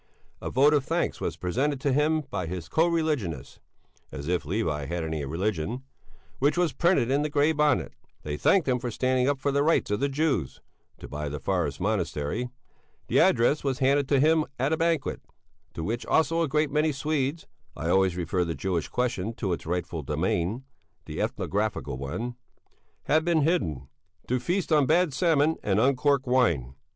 A vote of thanks was presented to him by his co religionists (as if Levi had any religion) which was printed in the Grey Bonnet. They thanked him for standing up for the rights of the Jews (to buy the forest monastery). The address was handed to him at a banquet, to which also a great many Swedes (I always refer the Jewish question to its rightful domain, the ethnographical one) had been bidden, to feast on bad salmon and uncorked wine.